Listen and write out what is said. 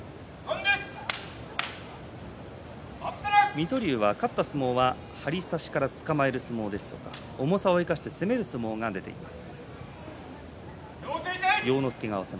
水戸龍は勝った相撲は張り差しからつかまえる相撲や重さを生かして攻める相撲が出ています。